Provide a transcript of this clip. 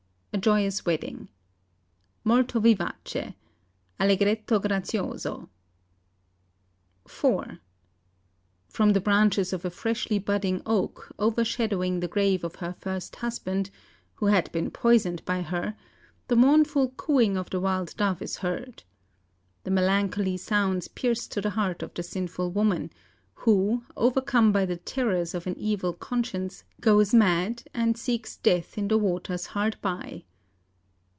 A joyous wedding. "(Molto vivace; allegretto grazioso) IV "From the branches of a freshly budding oak, over shadowing the grave of her first husband who had been poisoned by her the mournful cooing of the wild dove is heard. The melancholy sounds pierce to the heart of the sinful woman, who, overcome by the terrors of an evil conscience, goes mad, and seeks death in the waters hard by.